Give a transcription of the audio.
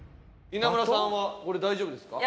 稲村さんはこれ大丈夫ですか？